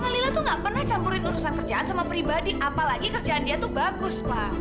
lila tuh gak pernah campurin urusan kerjaan sama pribadi apalagi kerjaan dia tuh bagus pak